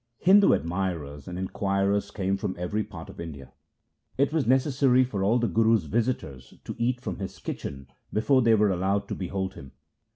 Hindu admirers and inquirers came from every part of India. It was necessary for all the Guru's visitors to eat from his kitchen before they were allowed to behold him.